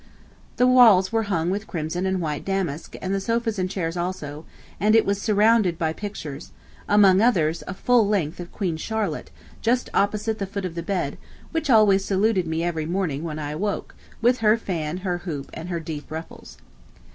The walls were hung with crimson and white damask, and the sofas and chairs also, and it was surrounded by pictures, among others a full length of Queen Charlotte, just opposite the foot of the bed, always saluted me every morning when I awoke, with her fan, her hoop, and her deep ruffles.